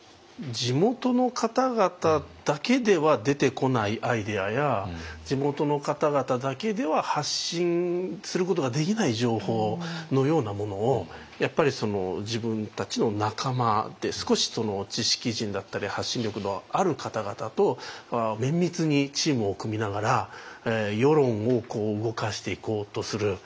地元の方々だけでは出てこないアイデアや地元の方々だけでは発信することができない情報のようなものをやっぱり自分たちの仲間で少し知識人だったり発信力のある方々と綿密にチームを組みながら世論を動かしていこうとする。